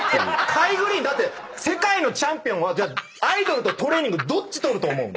カイ・グリーンだって世界のチャンピオンはアイドルとトレーニングどっち取ると思う？